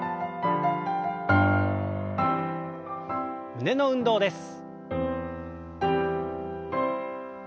胸の運動です。